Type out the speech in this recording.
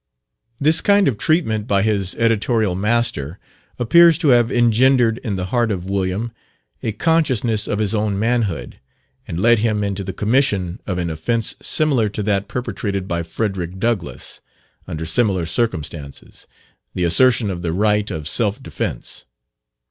This kind treatment by his editorial master appears to have engendered in the heart of William a consciousness of his own manhood, and led him into the commission of an offence similar to that perpetrated by Frederick Douglass, under similar circumstances the assertion of the right of self defence.